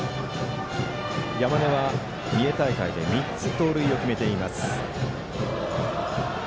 山根は三重大会で３つ盗塁を決めています。